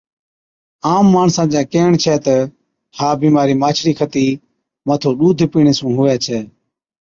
عام ماڻسان چَي ڪيهڻ ڇَي تہ ها بِيمارِي ماڇڙِي کتِي مٿُون ڏُوڌ پِيڻي سُون هُوَي ڇَي۔